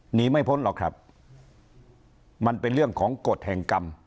หนีไม่พ้นหรอกครับมันเป็นเรื่องของกฎแห่งกรรม